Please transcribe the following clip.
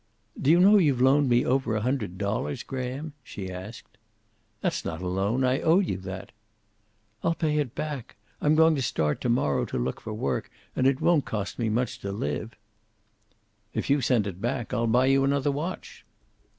"Do you know you've loaned me over a hundred dollars, Graham?" she asked. "That's not a loan. I owed you that." "I'll pay it back. I'm going to start to morrow to look for work, and it won't cost me much to live." "If you send it back, I'll buy you another watch!"